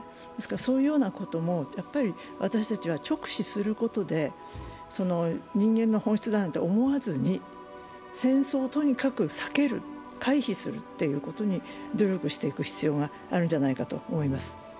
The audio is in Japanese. そういうようなことも私たちは直視することで人間の本質だなんて思わずに戦争をとにかく避ける、回避するということに努力していく必要があるんじゃないかと思います。